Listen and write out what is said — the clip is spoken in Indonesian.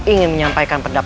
ingin menyampaikan penyelamat